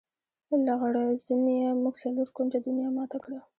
لغړزنیه! موږ څلور کونجه دنیا ماته کړه.